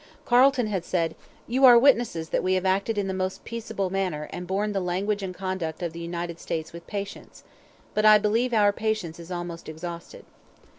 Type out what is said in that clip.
Carleton had said: 'You are witnesses that we have acted in the most peaceable manner and borne the language and conduct of the United States with patience. But I believe our patience is almost exhausted.'